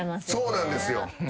そうなんですよ。